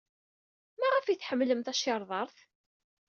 Maɣef ay tḥemmlem tacirḍart?